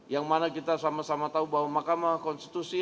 yang mana kita sama sama tahu bahwa mahkamah konstitusi